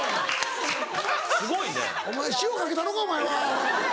すごいね。お前塩かけたろかお前はアホ。